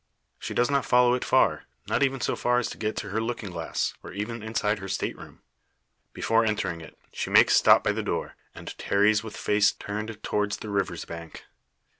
She does not follow it far not even so far as to get to her looking glass, or even inside her state room. Before entering it, she makes stop by the door, and tarries with face turned towards the river's bank.